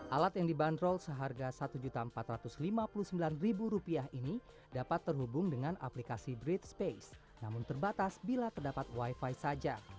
alat yang dibanderol seharga rp satu empat ratus lima puluh sembilan ini dapat terhubung dengan aplikasi breat space namun terbatas bila terdapat wifi saja